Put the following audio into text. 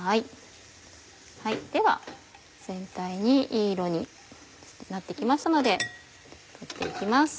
では全体にいい色になって来ましたので取って行きます。